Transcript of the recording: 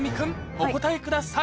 お答えください